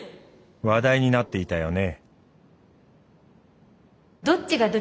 話題になっていたよね。